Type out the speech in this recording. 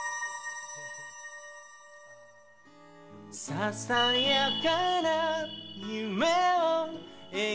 「ささやかな夢を描いている」